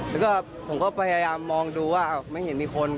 แล้วก็ผมก็พยายามมองดูว่าไม่เห็นมีคน